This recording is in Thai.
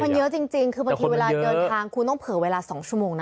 มันเยอะจริงคือบางทีเวลาเดินทางคุณต้องเผื่อเวลา๒ชั่วโมงนะ